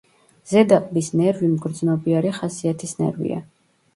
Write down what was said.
ზედა ყბის ნერვი მგრძნობიარე ხასიათის ნერვია.